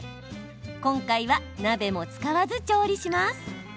今回は鍋も使わず調理します。